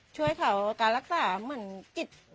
ช่วยเขาการรักษาเหมือนจิต